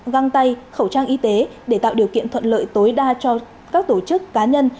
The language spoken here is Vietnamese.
găng tay khẩu trang y tế để tạo điều kiện thuận lợi tối đa cho các tổ chức cá nhân